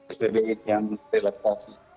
sebagai yang relaksasi